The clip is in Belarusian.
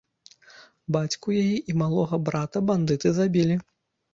Бацьку яе і малога брата бандыты забілі.